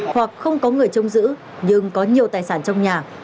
hoặc không có người trông giữ nhưng có nhiều tài sản trong nhà